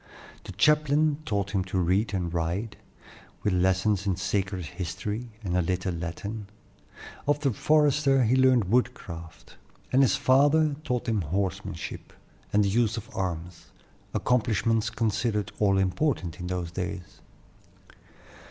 The chaplain taught him to read and write, with lessons in sacred history, and a little Latin; of the forester he learned woodcraft; and his father taught him horsemanship and the use of arms, accomplishments considered all important in those days.